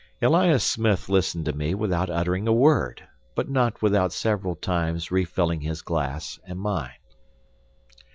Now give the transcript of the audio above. Elias Smith listened to me without uttering a word, but not without several times refilling his glass and mine.